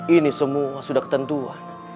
ini semua sudah ketentuan